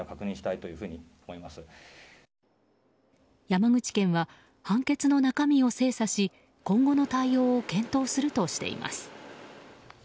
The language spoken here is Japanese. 山口県は判決の中身を精査し今後の対応を検討するとしています。